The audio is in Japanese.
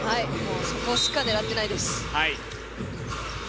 そこしか狙ってないです。